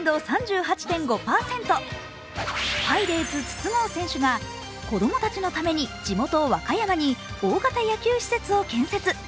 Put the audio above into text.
パイレーツ・筒香選手が子供たちのために地元・和歌山に大型野球施設を建設。